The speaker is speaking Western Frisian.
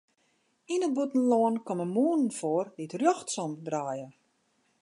Yn it bûtenlân komme mûnen foar dy't rjochtsom draaie.